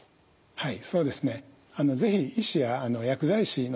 はい。